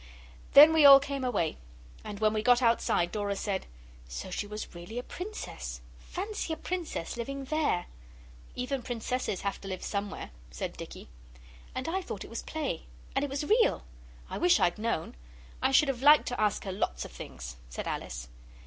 Then we all came away, and when we got outside Dora said, 'So she was really a Princess. Fancy a Princess living there!' 'Even Princesses have to live somewhere,' said Dicky. 'And I thought it was play. And it was real. I wish I'd known! I should have liked to ask her lots of things,' said Alice.